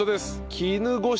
絹ごし